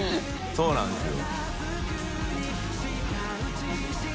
そうなんですよ。